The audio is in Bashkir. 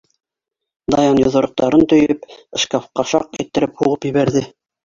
Даян йоҙроҡтарын төйөп, шкафҡа шаҡ иттереп һуғып ебәрҙе.